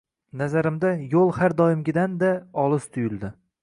Nazarimda, yo`l har doimgidan-da olis tuyuldi